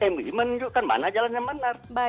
mui menunjukkan mana jalan yang benar